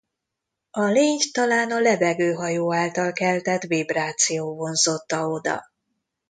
A lényt talán a lebegő hajó által keltett vibráció vonzotta oda.